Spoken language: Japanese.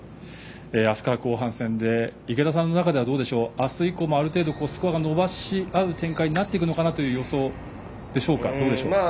あすから後半戦で池田さんの中ではあす以降もある程度スコアを伸ばし合う展開になっていくのかなという予想でしょうか？